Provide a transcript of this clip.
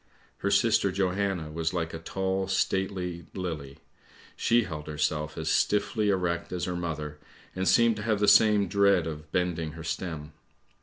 Her sister Johanna was like a tall, stately lily; she held herself as stiffly erect as her mother, and seemed to have the same dread of bending her stem.